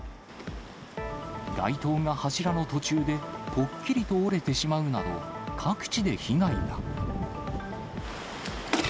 街灯が柱の途中でぽっきりと折れてしまうなど、各地で被害が。